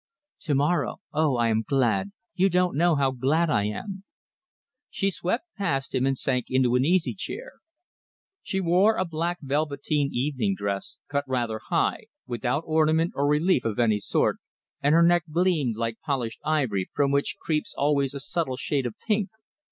"To morrow. Oh! I am glad. You don't know how glad I am." She swept past him and sank into an easy chair. She wore a black velveteen evening dress, cut rather high, without ornament or relief of any sort, and her neck gleamed like polished ivory from which creeps always a subtle shade of pink.